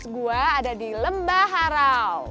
dua ada di lembah harau